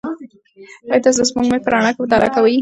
ایا تاسي د سپوږمۍ په رڼا کې مطالعه کوئ؟